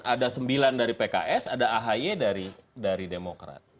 ada sembilan dari pks ada ahy dari demokrat